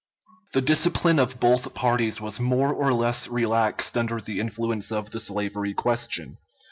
The discipline of both parties was more or less relaxed under the influence of the slavery question.